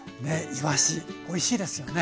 いわしおいしいですよね。